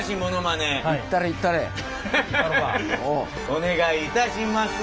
お願いいたします。